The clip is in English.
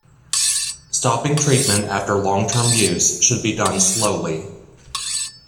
Stopping treatment after long-term use should be done slowly.